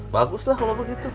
bagus lah kalau begitu